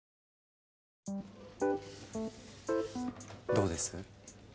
どうです？